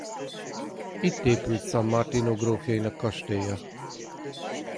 Itt épült San Martino grófjainak kastélya.